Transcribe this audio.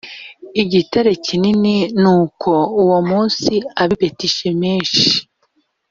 gitare kinini nuko uwo munsi ab i betishemeshi